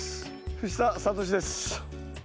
藤田智です。